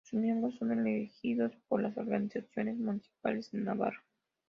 Sus miembros son elegidos por las organizaciones municipales de Navarra.